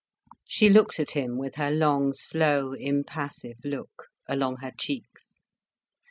She looked at him with her long, slow, impassive look, along her cheeks.